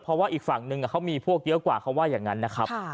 เพราะว่าอีกฝั่งนึงเขามีพวกเยอะกว่าเขาว่าอย่างนั้นนะครับ